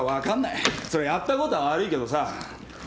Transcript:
そりゃやったことは悪いけどさ。